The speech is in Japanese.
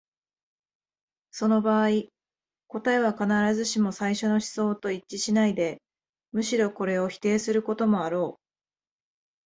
その場合、答えは必ずしも最初の思想と一致しないで、むしろこれを否定することもあろう。